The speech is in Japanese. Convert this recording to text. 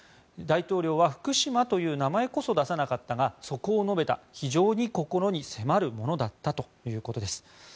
大統領は福島という名前こそ出さなかったがそこを述べた非常に心に迫るものだったということです。